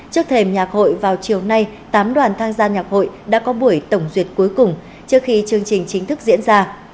trước thềm nhạc hội vào chiều nay tám đoàn tham gia nhạc hội đã có buổi tổng duyệt cuối cùng trước khi chương trình chính thức diễn ra